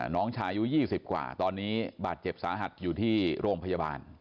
น้องชายุ๒๐กว่าตอนนี้บาดเจ็บสาหัสอยู่ที่โรงพยาบาล